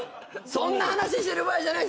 そんな話してる場合じゃない！